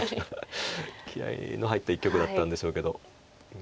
気合いの入った一局だったんでしょうけど。